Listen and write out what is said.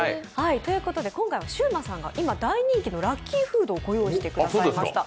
今回はシウマさんが今大人気のラッキーフードを御用意してくださいました。